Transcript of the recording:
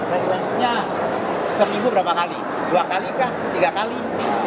referensinya seminggu berapa kali dua kali kah tiga kali